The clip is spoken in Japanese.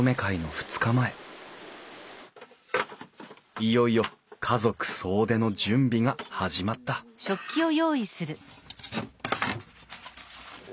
いよいよ家族総出の準備が始まったお。